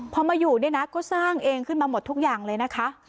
พอมาอยู่เนี่ยนะก็สร้างเองขึ้นมาหมดทุกอย่างเลยนะคะ